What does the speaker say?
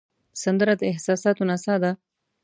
سندره د احساساتو نڅا ده